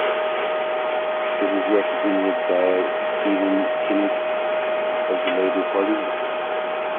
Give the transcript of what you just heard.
It is represented by Stephen Kinnock of the Labour Party.